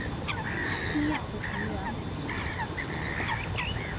兴亚会成员。